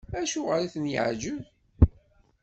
Acuɣer i ten-yeɛjeb?